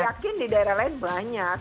oh iya saya yakin di daerah lain banyak